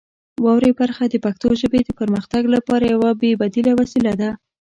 واورئ برخه د پښتو ژبې د پرمختګ لپاره یوه بې بدیله وسیله ده.